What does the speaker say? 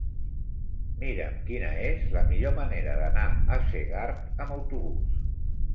Mira'm quina és la millor manera d'anar a Segart amb autobús.